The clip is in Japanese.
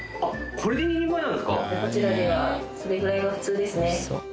こちらではそれぐらいが普通ですね。